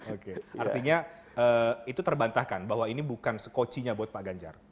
oke artinya itu terbantahkan bahwa ini bukan sekocinya buat pak ganjar